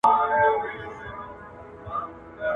د دېرشو کلونو تر پلټنه و روسته